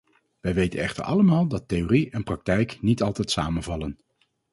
Wij weten echter allemaal dat theorie en praktijk niet altijd samenvallen.